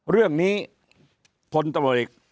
เรื่องนี้พลตำรวจเอกวาสิทธิ์